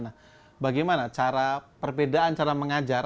nah bagaimana cara perbedaan cara mengajar